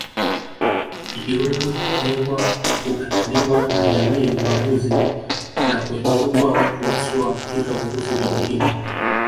Ikiwemo kutengwa kukataliwa na jamii ubaguzi na kuepukwa watu wasioambukizwa virusi vya Ukimwi